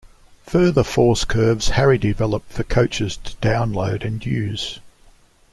Further force curves Harry developed for coaches to download and use.